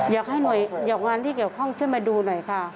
อยากงานที่เกี่ยวข้องเข้ามาดูหน่อยค่ะ